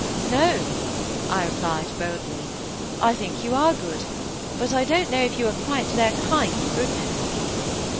"No," I replied, boldly. "I think you are good; but I don't know if you are quite of their kind of goodness."